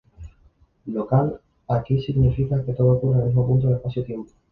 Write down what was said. Local aquí significa que todo ocurre en el mismo punto del espacio-tiempo.